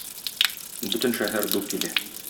Бөтен шәһәр ду килә.